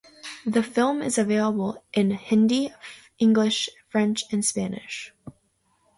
The film is available in Hindi, English, French and Spanish.